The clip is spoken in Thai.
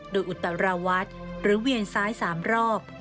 โดยอุตรวัตรหรือเวียนซ้าย๓รอบ